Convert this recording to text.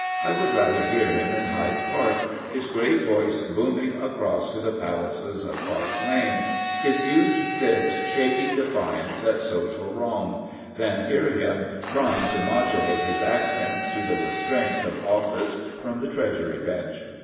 I would rather hear him in Hyde Park, his great voice booming across to the palaces of Park Lane, his huge fist shaking defiance at social wrong, than hear him trpng to modulate his accents to the 396 John Burns restraints of office from the Treasury bench.